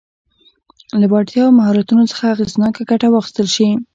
له وړتیاوو او مهارتونو څخه اغېزناکه ګټه واخیستل شي.